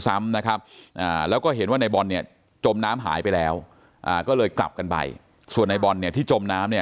ซ้ำนะครับแล้วก็เห็นว่าในบอลเนี่ยจมน้ำหายไปแล้วก็เลยกลับกันไปส่วนในบอลเนี่ยที่จมน้ำเนี่ย